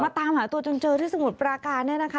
มาตามหาตัวเจนเจอที่สมุทรประกาศแน่นะคะ